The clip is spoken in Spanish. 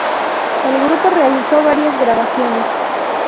El grupo realizó varias grabaciones.